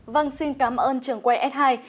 vâng xin cảm ơn trường quay s hai